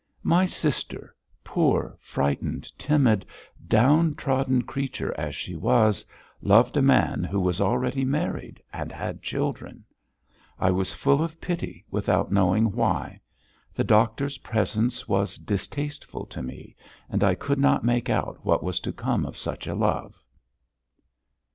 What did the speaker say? My sister, poor, frightened, timid, downtrodden creature as she was, loved a man who was already married and had children! I was full of pity without knowing why; the doctor's presence was distasteful to me and I could not make out what was to come of such a love.